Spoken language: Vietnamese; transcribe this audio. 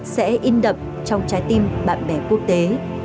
sẽ in đậm trong trái tim bạn bè quốc tế